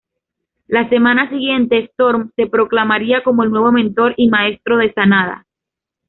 La semana siguiente Storm se proclamaría como el nuevo mentor y maestro de Sanada.